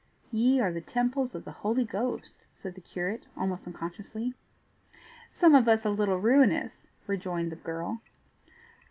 "Ye are the temples of the Holy Ghost," said the curate, almost unconsciously. "Some of us a little ruinous!" rejoined the girl.